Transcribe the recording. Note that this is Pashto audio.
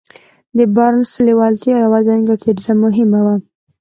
د بارنس د لېوالتیا يوه ځانګړتيا ډېره مهمه وه.